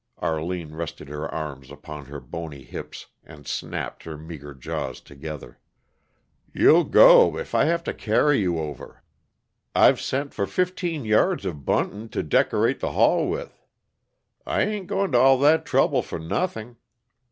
Arline rested her arms upon her bony hips and snapped her meager jaws together. "You'll go, if I have to carry you over. I've sent for fifteen yards of buntin' to decorate the hall with. I ain't going to all that trouble for nothing.